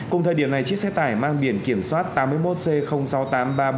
cùng thời điểm này chiếc xe tải mang biển kiểm soát tám mươi một c sáu nghìn tám trăm ba mươi bốn